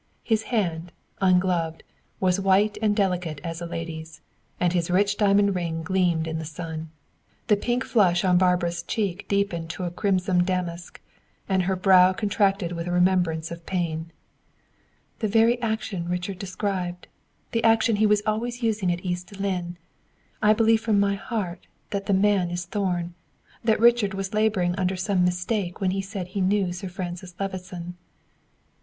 His hand, ungloved, was white and delicate as a lady's, and his rich diamond ring gleamed in the sun. The pink flush on Barbara's cheek deepened to a crimson damask, and her brow contracted with a remembrance of pain. "The very action Richard described! The action he was always using at East Lynne! I believe from my heart that the man is Thorn; that Richard was laboring under some mistake when he said he knew Sir Francis Levison."